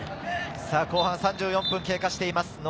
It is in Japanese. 後半３４分経過しています。